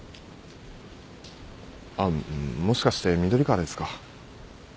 あっもしかして緑川ですか？